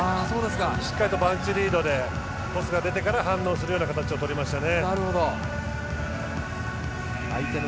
しっかりとマルチリードでトスが出てから反応する形になりましたね。